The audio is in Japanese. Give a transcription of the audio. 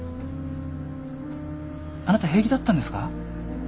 あなた平気だったんですか？